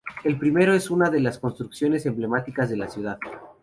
El primero es una de las construcciones emblemáticas de la ciudad.